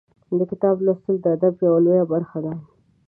د کتاب لوستل د ادب یوه لویه برخه ده.